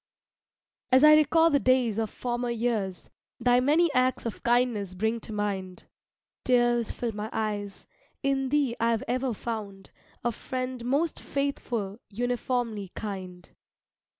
As I recall the days of former years, Thy many acts of kindness bring to mind, Tears fill my eyes, in thee I've ever found A friend most faithful, uniformly kind.